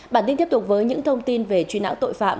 bản tin tiếp tục với những thông tin về truy nã tội phạm